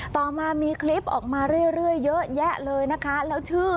ต่อมามีคลิปออกมาเรื่อยเยอะแยะเลยนะคะแล้วชื่อ